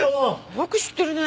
よく知ってるね。